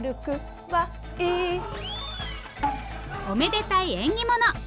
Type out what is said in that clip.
おめでたい縁起物。